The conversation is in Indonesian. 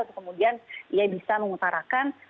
untuk kemudian ia bisa mengutarakan